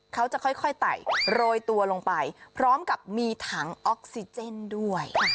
เขาจะค่อยไต่โรยตัวลงไปพร้อมกับมีถังออกซิเจนด้วย